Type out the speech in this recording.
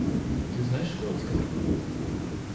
Ты знаешь Вронского?